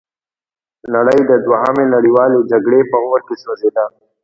نړۍ د دوهمې نړیوالې جګړې په اور کې سوځیده.